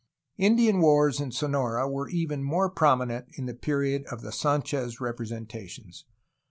Indian wars in Sonora were even more prominent in the period of the Sanchez representations.